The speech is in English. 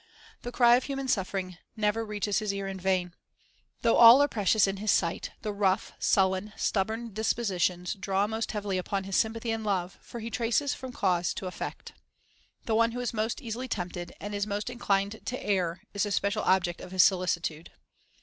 The cry of human suffering never reaches His ear in vain. Though all are precious in His sight, the rough, sullen, stubborn dispositions draw most heavily upon His sympathy and love; for He traces from cause to effect. The one who is most easily tempted, and is most inclined to err, is the special object of His solicitude.